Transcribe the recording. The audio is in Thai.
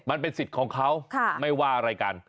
มันเป็นสิทธิ์ของเขาไม่ว่าอะไรกัน